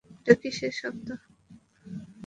এটা কীসের শব্দ?